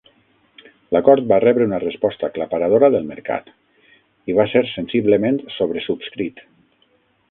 L'acord va rebre una resposta aclaparadora del mercat, i va ser sensiblement sobresubscrit.